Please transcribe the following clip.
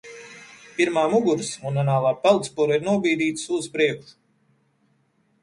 Pirmā muguras un anālā peldspura ir nobīdītas uz priekšu.